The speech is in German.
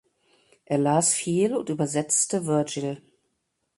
Er las viel und übersetzte Vergil.